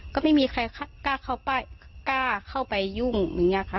ก็ไม่มีใครกล้าเข้าไปยุ่งอย่างนี้ค่ะ